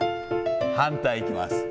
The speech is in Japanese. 反対いきます。